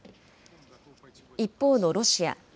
一方のロシア。